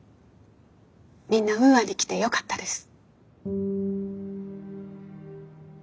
みんなウーアに来てよかったです。